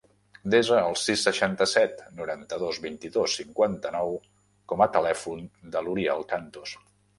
Desa el sis, seixanta-set, noranta-dos, vint-i-dos, cinquanta-nou com a telèfon de l'Uriel Cantos.